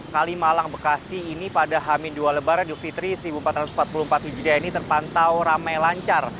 kalimalang bekasi ini pada hamin dua lebaran dufitri seribu empat ratus empat puluh empat hijriah ini terpantau ramai lancar